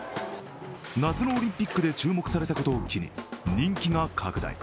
夏のオリンピックで注目されたことを機に人気が拡大。